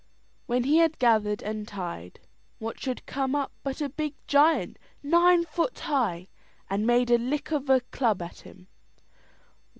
When he had it gathered and tied, what should come up but a big giant, nine foot high, and made a lick of a club at him.